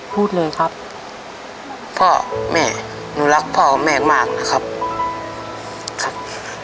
พูดเลยครับพ่อแม่หนูรักพ่อแม่มากนะครับครับ